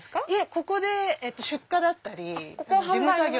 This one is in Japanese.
ここで出荷だったり事務作業。